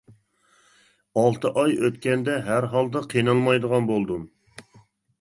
ئالتە ئاي ئۆتكەندە ھەر ھالدا قىينالمايدىغان بولدۇم.